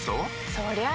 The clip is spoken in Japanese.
そりゃあ